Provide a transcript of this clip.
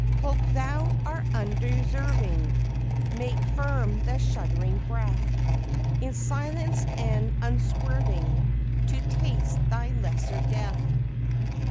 Cloak Thou our undeserving, Make firm the shuddering breath, In silence and unswerving To taste thy lesser death!